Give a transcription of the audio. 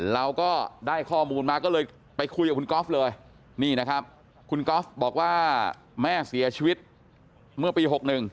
เราก็ได้ข้อมูลมาก็เลยไปคุยกับคุณก๊อฟเลยนี่นะครับคุณก๊อฟบอกว่าแม่เสียชีวิตเมื่อปี๖๑